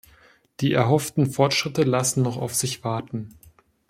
Die erhofften Fortschritte lassen noch auf sich warten.